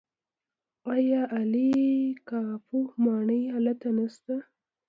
آیا عالي قاپو ماڼۍ هلته نشته؟